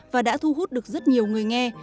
và đã thu hút được rất nhiều người nghe